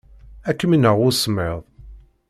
Ad kem-ineɣ usemmiḍ.